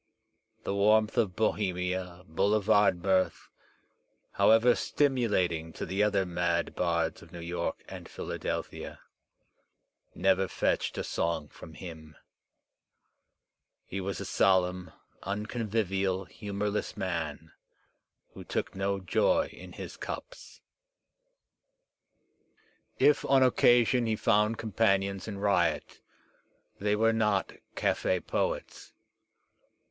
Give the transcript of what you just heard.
The warmth of Bohemia, boulevard mirth, however stimulating to the other mad bards of New York and Philadelphia, never fetched a song from him. He was a solemn, unconvivial, humourless man, who took no joy in his cups. If on occasion he foubd companions in riot, they were not caf6 poets.